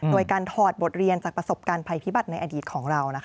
โดยการถอดบทเรียนจากประสบการณ์ภัยพิบัติในอดีตของเรา